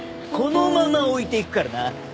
このまま置いていくからな。